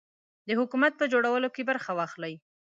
د حکومت په جوړولو کې برخه واخلي.